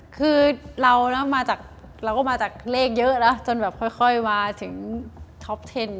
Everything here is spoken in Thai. คือเราก็มาจากเลขเยอะแล้วจนแบบค่อยมาถึงท็อปเทน